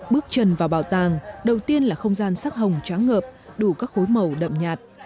bước chân vào bảo tàng đầu tiên là không gian sắc hồng tráng ngợp đủ các khối màu đậm nhạt